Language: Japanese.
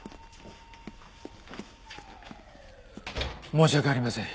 申し訳ありません。